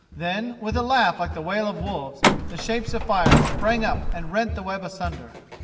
Then, with a laugh like the wail of wolves, the shapes of fire sprang up and rent the web asunder.